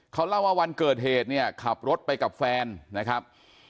เขาเล่าว่าวันเกิดเหตุเนี่ยขับรถไปกับแฟนนะครับ